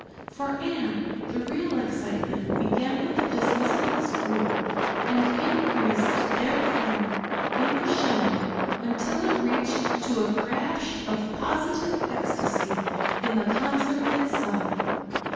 For Anne the real excitement began with the dismissal of school and increased therefrom in crescendo until it reached to a crash of positive ecstasy in the concert itself.